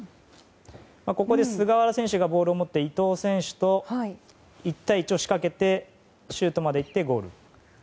ここで菅原選手がボールをもって伊東選手と１対１を仕掛けてシュートまでいってゴール。